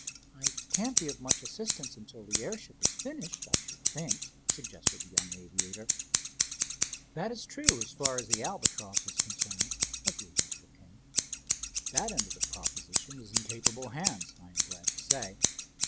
"I can't be of much assistance until the airship is finished, I should think," suggested the young aviator. "That is true so far as the Albatross is concerned," agreed Mr. King. "That end of the proposition is in capable hands, I am glad to say.